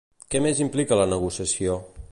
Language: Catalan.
Què més implica la negociació?